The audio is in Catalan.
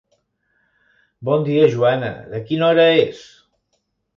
Bon dia, Joana, de quina hora és?